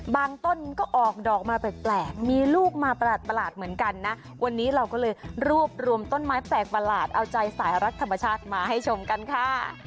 ต้นก็ออกดอกมาแปลกมีลูกมาประหลาดเหมือนกันนะวันนี้เราก็เลยรวบรวมต้นไม้แปลกประหลาดเอาใจสายรักธรรมชาติมาให้ชมกันค่ะ